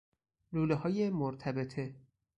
لوله های مرتبطه